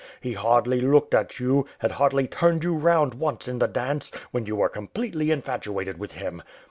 He hardly looked at you, had hardly turned you round once in the dance, when you were com pletely infatuated with him!